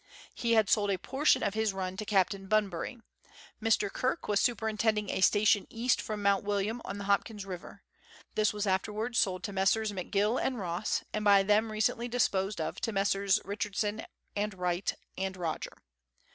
He had sold a portion of his run to Captain Bunbury. Mr. Kirk was superintending a station east from Mount William on the Hopkins River ; this was afterwards sold to Messrs. McG ill and Ross, and by them recently disposed of to Messrs. Richardson and Wright, and Rodger.